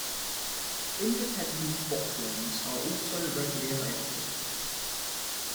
Independent bottlings are also readily available.